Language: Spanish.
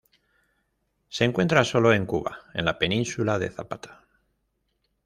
Se encuentra solo en Cuba, en la Península de Zapata.